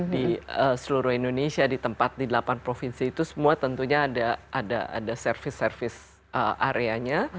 di seluruh indonesia di tempat di delapan provinsi itu semua tentunya ada service service areanya